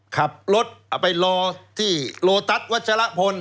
ขับรถไปรอที่โลตัสวัชละพล